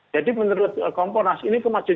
jadi menurut komponas ini kemajuan